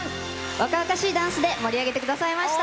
若々しいダンスで盛り上げてくれました。